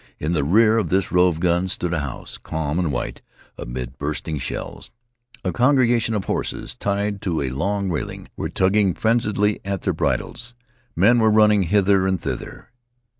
In the rear of this row of guns stood a house, calm and white, amid bursting shells. A congregation of horses, tied to a long railing, were tugging frenziedly at their bridles. Men were running hither and thither.